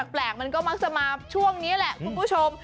แปลกมันก็มักจะมาช่วงนี้แหละคุณผู้ชม